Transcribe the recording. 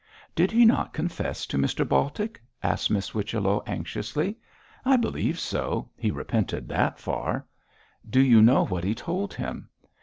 'Did he not confess to Mr Baltic?' asked Miss Whichello, anxiously. 'I believe so; he repented that far.' 'Do you know what he told him?'